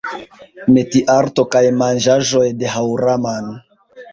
Metiarto kaj manĝaĵoj de Haŭraman